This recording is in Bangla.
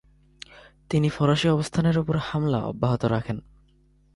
তিনি ফরাসি অবস্থানের উপর হামলা অব্যাহত রাখেন।